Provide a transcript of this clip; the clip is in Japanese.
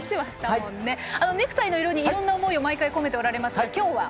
ネクタイの色にいろんな思いを毎回、込めておられますが今日は？